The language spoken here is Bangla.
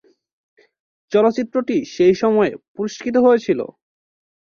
চলচ্চিত্রটি সেই সময়ে পুরস্কৃত হয়েছিল।